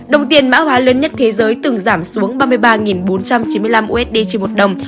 đồng tiền mã hóa lớn nhất thế giới từng giảm xuống ba mươi ba bốn trăm chín mươi năm usd trên một đồng